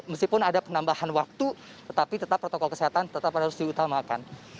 meskipun ada penambahan waktu tetapi tetap protokol kesehatan tetap harus diutamakan